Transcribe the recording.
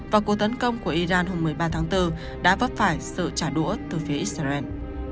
và cuộc tấn công của iran hôm một mươi ba tháng bốn đã vấp phải sự trả đũa từ phía israel